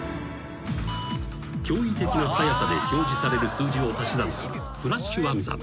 ［驚異的な速さで表示される数字を足し算するフラッシュ暗算］